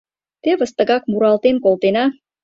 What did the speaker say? Тевыс тыгак муралтен колтена